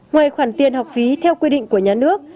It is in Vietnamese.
ngoài khoản tiền học phí theo quy định của nhà nước